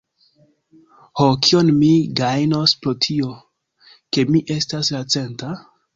Ho, kion mi gajnos pro tio, ke mi estas la centa?